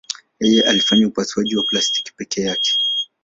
Yeye alifanya upasuaji wa plastiki peke yake.